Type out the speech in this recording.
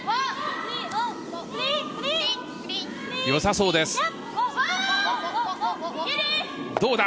よさそうです。